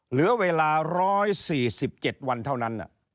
เหลือเวลา๑๔๗วันเท่านั้น